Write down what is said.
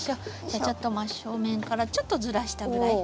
じゃあちょっと真っ正面からちょっとずらしたぐらい。